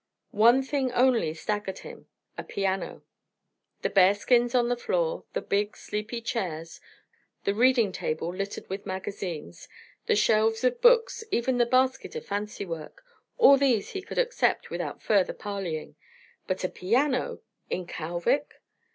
One thing only staggered him a piano. The bear skins on the floor, the big, sleepy chairs, the reading table littered with magazines, the shelves of books, even the basket of fancy work all these he could accept without further parleying; but a piano! in Kalvik!